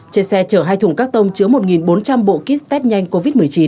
trên xe chở hai thùng các tông chứa một bốn trăm linh bộ kit test nhanh covid một mươi chín